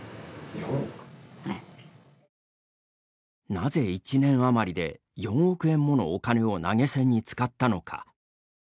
なぜ１年余りで４億円ものお金を投げ銭に使ったのか。